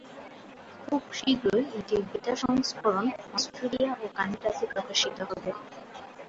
খুব শীঘ্রই এটির বেটা সংস্করণ অস্ট্রেলিয়া ও কানাডাতে প্রকাশিত হবে।